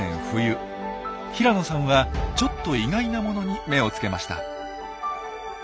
冬平野さんはちょっと意外なものに目をつけました。